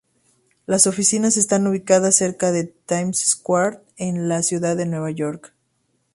Las oficinas están ubicadas cerca de Times Square, en la ciudad de Nueva York.